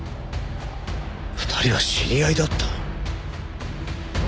２人は知り合いだった。